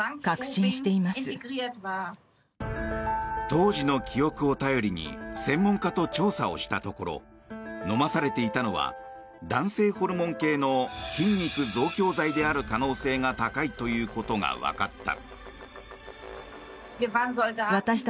当時の記憶を頼りに専門家と調査をしたところ飲まされていたのは男性ホルモン系の筋肉増強剤である可能性が高いということがわかった。